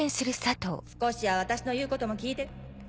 少しは私の言うことも聞いて。